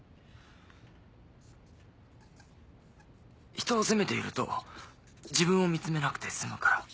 「人を責めていると自分を見つめなくて済むから。